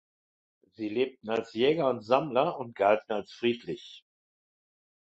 Sie lebten als Jäger und Sammler und galten als friedlich.